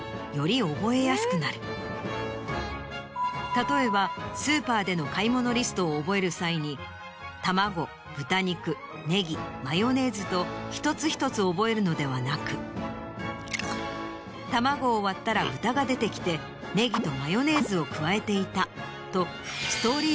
例えばスーパーでの買い物リストを覚える際に「卵豚肉ネギマヨネーズ」と一つ一つ覚えるのではなく「卵を割ったら豚が出てきてネギとマヨネーズをくわえていた」と。